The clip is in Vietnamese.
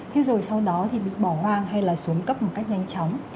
thế rồi sau đó thì bị bỏ hoang hay là xuống cấp một cách nhanh chóng